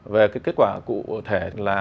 về kết quả cụ thể